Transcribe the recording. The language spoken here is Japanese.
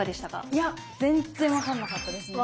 いや全然分かんなかったですね。